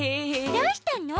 どうしたの？